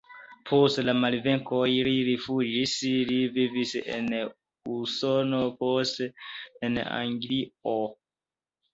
Post la malvenkoj li rifuĝis, li vivis en Usono, poste en Anglio.